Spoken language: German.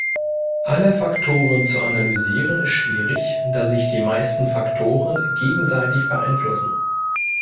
Alle Faktoren zu analysieren ist schwierig, da sich die meisten Faktoren gegenseitig beeinflussen.